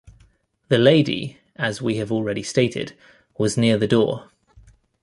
The lady, as we have already stated, was near the door.